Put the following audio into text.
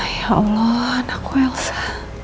ya allah anakku elsa